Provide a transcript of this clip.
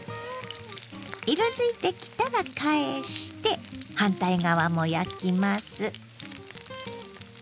色づいてきたら返して反対側も焼きます。